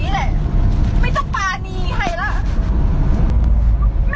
เพื่อนแต่ละคนมีเด็ดมออย่างใหญ่สมมาแต่มอดังดัง